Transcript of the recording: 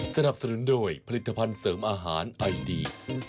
สนับสนุนโดยผลิตภัณฑ์เสริมอาหารไอดี